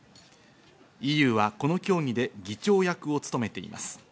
ＥＵはこの協議で議長役を務めています。